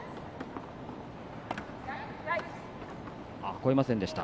越えませんでした。